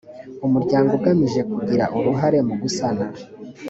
umuryango ugamije kugira uruhare mu gusana